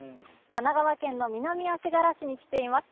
神奈川県の南足柄市に来ています。